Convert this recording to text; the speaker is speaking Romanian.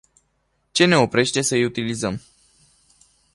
Ce ne oprește să îl utilizăm?